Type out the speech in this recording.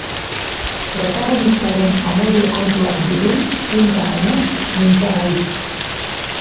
Protagonistaren amodio-kontuak ditu zinta honek mintzagai.